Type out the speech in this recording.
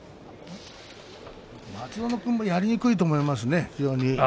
松園君もやりにくいと思いますね。